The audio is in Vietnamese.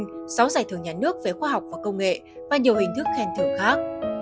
sáu giải thưởng nhà nước về khoa học và công nghệ và nhiều hình thức khen thưởng khác